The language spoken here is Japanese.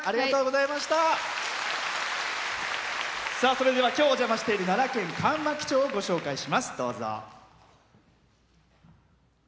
それでは今日お邪魔している奈良県上牧町をご紹介します。